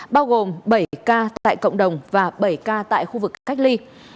bao gồm bảy ca tại cộng đồng và bảy ca tại khu vực cách ly